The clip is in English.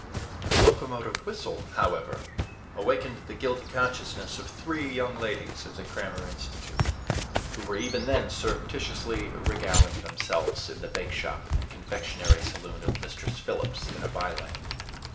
The locomotive whistle, however, awakened the guilty consciousness of three young ladies of the Crammer Institute, who were even then surreptitiously regaling themselves in the bakeshop and confectionery saloon of Mistress Phillips in a by lane.